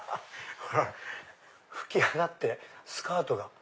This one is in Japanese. ほら吹き上がってスカートが。